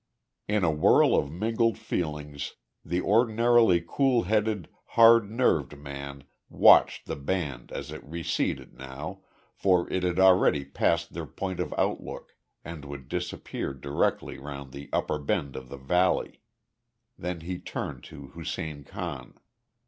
In a whirl of mingled feelings the ordinarily cool headed, hard nerved man watched the band as it receded now, for it had already passed their point of outlook, and would disappear directly round the upper bend of the valley. Then he turned to Hussein Khan.